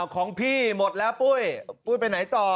ของพี่หมดแล้วปุ้ยปุ้ยไปไหนต่อ